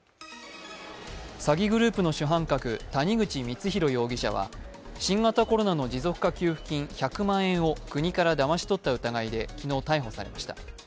詐欺グループの主犯格、谷口光弘容疑者は、新型コロナの持続化給付金１００万円を国からだまし取った疑いで昨日、逮捕されました。